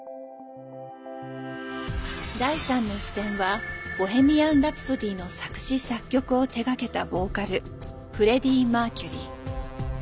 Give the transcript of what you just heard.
第３の視点は「ボヘミアン・ラプソディ」の作詞作曲を手がけたボーカルフレディ・マーキュリー。